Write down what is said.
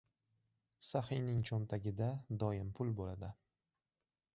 • Saxiyning cho‘ntagida doim pul bo‘ladi.